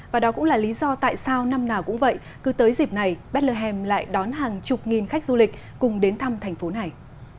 và đó cũng là lý do tại sao năm nào cũng vậy cứ tới dịp này bethlehem lại đón hàng chục nghìn khách du lịch cùng đến thăm thành phố này